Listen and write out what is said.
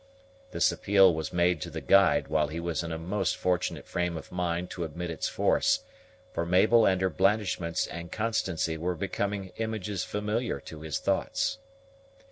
This appeal was made to the guide while he was in a most fortunate frame of mind to admit its force; for Mabel and her blandishments and constancy were becoming images familiar to his thoughts.